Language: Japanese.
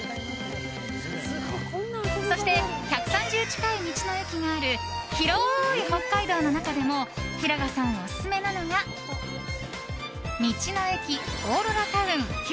そして、１３０近い道の駅がある広い北海道の中でも平賀さんオススメなのが道の駅オーロラタウン